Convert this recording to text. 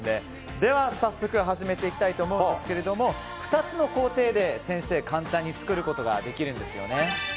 では早速始めていきたいと思うんですが２つの工程で先生、簡単に作ることができるんですよね。